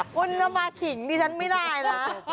คุณเอามาขิ่งนี่ฉันไม่ได้นะ